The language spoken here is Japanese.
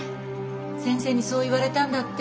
先生にそう言われたんだって。